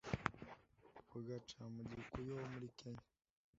ugaca mu Kikuyu ho muri Kenya